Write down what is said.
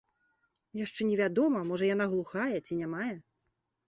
Яшчэ невядома, можа, яна глухая ці нямая.